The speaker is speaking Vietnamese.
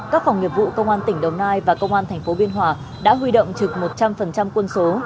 các phòng nghiệp vụ công an tỉnh đồng nai và công an tp biên hòa đã huy động trực một trăm linh quân số